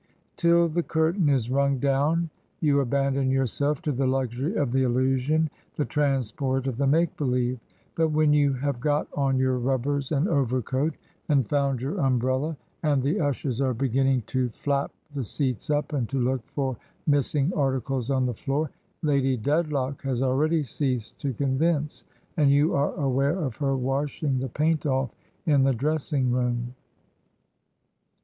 Till the curtain is rung down you abandon yourself to the luxury of the illusion, the transport of the make believe; but when you have got on your rubbers and overcoat, and fotmd your umbrella, and the ushers are beginning to 152 Digitized by VjOOQIC DICKENS'S LATER HEROINES flap the seats up and to look for missing articles on the floor. Lady Dedlock has already ceased to convince, and you are aware of her washing the paint off in the dress ing room.